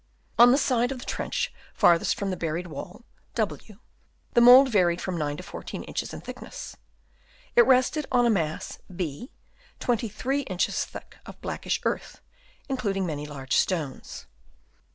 On the side of the trench farthest from the buried wall (W), the mould varied from 9 to 14 inches in thickness ; it rested on a mass (B) 184 BURIAL OF THE REMAINS Chap. IV. 23 inches thick of blackish earth, including many large stones.